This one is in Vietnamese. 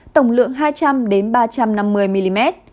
tổng lượng hai trăm linh ba trăm năm mươi mm